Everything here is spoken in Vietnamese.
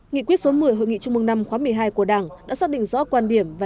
nghị quyết số một mươi hội nghị trung mương năm khóa một mươi hai của đảng đã xác định rõ quan điểm